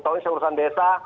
tahun ini saya urusan desa